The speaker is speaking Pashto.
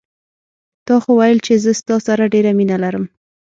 تا خو ویل چې زه ستا سره ډېره مینه لرم